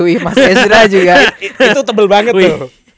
itu tebel banget tuh